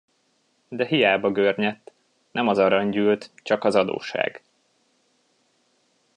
De hiába görnyedt: nem az arany gyűlt, csak az adósság.